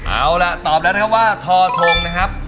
เอาล่ะตอบแล้วนะครับว่าทอทงนะครับ